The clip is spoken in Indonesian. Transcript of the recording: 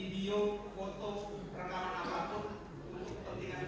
saya berharap dengan saya menjadi saksi